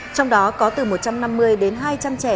trong đó có từ một trăm năm mươi đến hai trăm linh trẻ